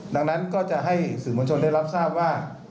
ดังนั้นก็จะให้สื่อมวลชนได้รับทราบว่า